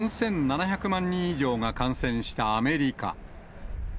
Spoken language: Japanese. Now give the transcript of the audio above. ４７００万人以上が感染したアメリカ。